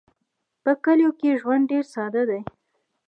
په کلیو کې ژوند ډېر ساده دی.